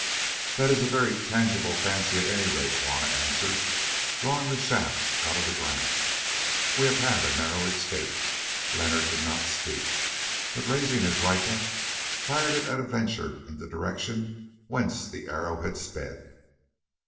"This is a very tangible fancy at any rate," Juanna answered, drawing the shaft out of the ground. "We have had a narrow escape." Leonard did not speak, but raising his rifle he fired it at a venture in the direction whence the arrow had sped.